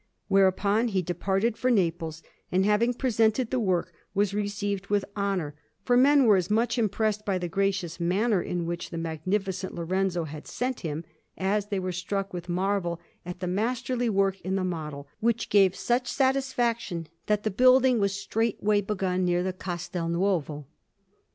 Whereupon he departed for Naples, and, having presented the work, was received with honour; for men were as much impressed by the gracious manner in which the Magnificent Lorenzo had sent him, as they were struck with marvel at the masterly work in the model, which gave such satisfaction that the building was straightway begun near the Castel Nuovo.